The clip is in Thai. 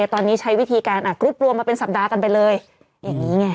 ตอนนี้ใช้วิธีการกรุ๊ปรวมมาเป็นสัปดาห์กันไปเลยอย่างนี้ไง